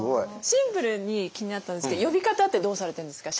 シンプルに気になったんですけど呼び方ってどうされてるんですか？